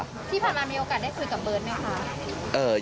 ที่ผ่านมามีโอกาสได้คุยกับเบิร์ตไหมคะ